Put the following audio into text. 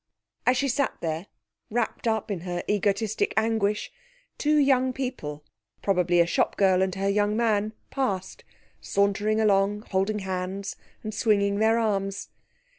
As she sat there, wrapped up in her egotistic anguish, two young people, probably a shop girl and her young man, passed, sauntering along, holding hands, and swinging their arms.